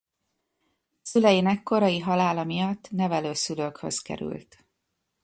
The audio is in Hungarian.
Szüleinek korai halála miatt nevelőszülőkhöz került.